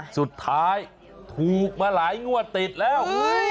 สุดท้ายถูกมาหลายงวดติดแล้ว